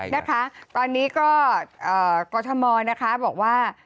นะคะตอนนี้ก็กรทมนะคะบอกว่า